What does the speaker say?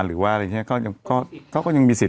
หรือว่าอะไรอย่างเงี้ย